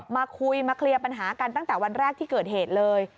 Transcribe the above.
มาคุยมาเคลียร์ปัญหากันตั้งแต่วันแรกที่เกิดเหตุเลย